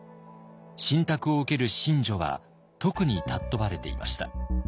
神託を受ける神女は特に尊ばれていました。